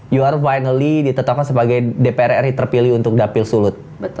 your finally ditetapkan sebagai dpr ri terpilih untuk dapil sulut